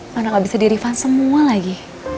mana gak bisa dirifan semua lagi